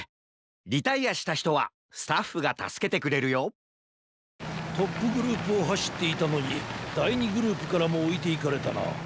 リタイアしたひとはスタッフがたすけてくれるよトップグループをはしっていたのにだい２グループからもおいていかれたな。